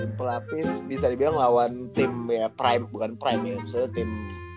tim pelapis bisa dibilang lawan tim ya prime bukan prime ya misalnya tim